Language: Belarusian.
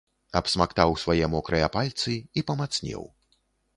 Абсмактаў свае мокрыя пальцы і памацнеў.